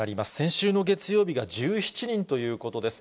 先週の月曜日が１７人ということです。